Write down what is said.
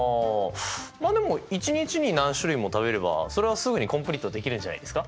あでも一日に何種類も食べればそれはすぐにコンプリートできるんじゃないですか？